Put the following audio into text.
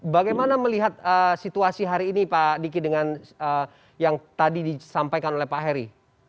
bagaimana melihat situasi hari ini pak diki dengan yang tadi disampaikan oleh pak heri